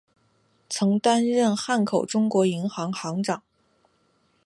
曾担任汉口中国银行行长。